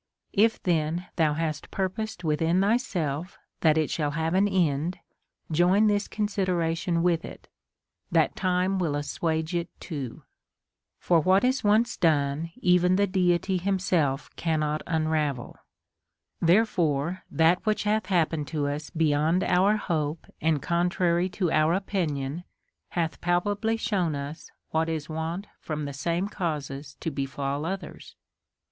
If then thou hast purposed within thyself that it shall have an end, join this consideration with it, that time Λνϋΐ assuage it too ; for what is once done even the Deity himself cannot unravel ; therefore that which hath happened to us beyond our hope and contrary to our opinion hath palpably shown us Avhat is wont from the same causes to befall others.